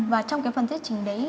và trong phần thiết trình đấy